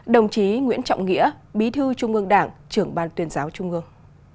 đồng chí nguyễn trọng nghĩa bí thư trung ương đảng trưởng ban tuyên giáo trung ương